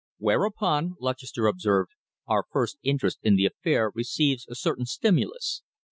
"Whereupon," Lutchester observed, "our first interest in the affair receives a certain stimulus.